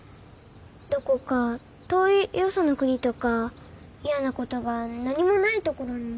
どこか遠いよその国とか嫌なことが何もないところに。